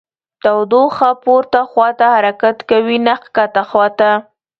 تودوخه پورته خواته حرکت کوي نه ښکته خواته.